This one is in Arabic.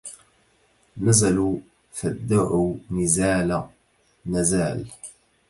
نزلوا فادعوا نزال نزال